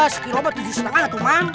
sekilo apa tujuh setengah atu bang